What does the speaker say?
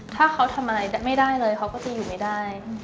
ถ้าเขาทำอะไรไม่ได้เลยเขาก็จะอยู่ไม่ได้